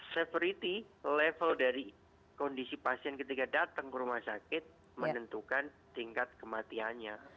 severity level dari kondisi pasien ketika datang ke rumah sakit menentukan tingkat kematiannya